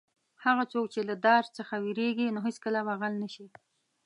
هغه څوک چې له دار څخه وېرېږي نو هېڅکله به غل نه شي.